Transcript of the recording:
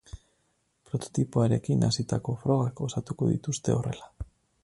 Prototipoarekin hasitako frogak osatuko dituzte horrela.